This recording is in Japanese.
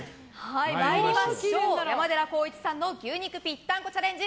山寺宏一さんの牛肉ぴったんこチャレンジ